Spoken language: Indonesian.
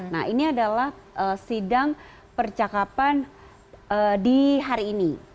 nah ini adalah sidang percakapan di hari ini